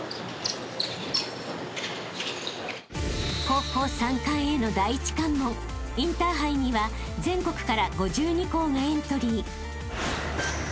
［高校三冠への第一関門インターハイには全国から５２校がエントリー］